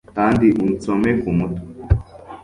kandi unsome ku mutwe